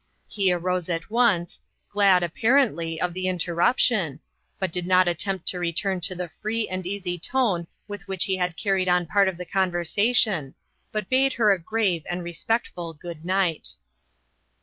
He arose at once, glad, apparently, of the interruption, but did not attempt to return to the free and easy tone with which he had carried on part of the conversation, but bade her a grave and respectful good night.